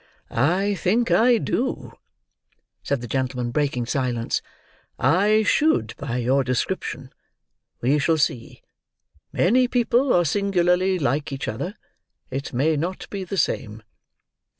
"I think I do," said the gentleman, breaking silence. "I should by your description. We shall see. Many people are singularly like each other. It may not be the same."